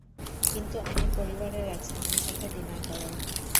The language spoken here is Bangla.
কিন্তু আমার পরিবারের আছে, আমার সাথে ডিনার করার।